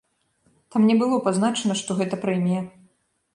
Там не было пазначана, што гэта прэмія.